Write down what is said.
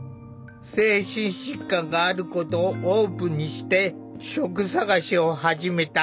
精神疾患があることをオープンにして職探しを始めた。